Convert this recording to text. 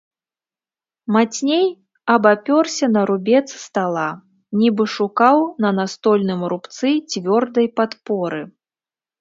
Мацней абапёрся на рубец стала, нібы шукаў на настольным рубцы цвёрдай падпоры.